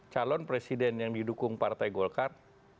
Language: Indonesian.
calon presiden yang didukung partai golkar